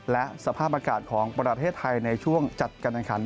และสภาพอากาศของประเทศไทยในช่วงจัดการแข่งขัน